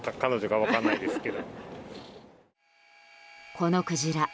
このクジラ